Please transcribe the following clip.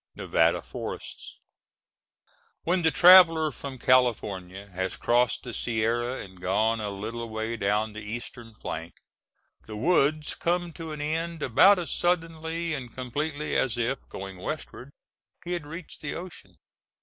XIII. Nevada Forests When the traveler from California has crossed the Sierra and gone a little way down the eastern flank, the woods come to an end about as suddenly and completely as if, going westward, he had reached the ocean.